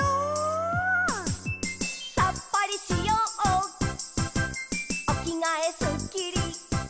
「さっぱりしようおきがえすっきり」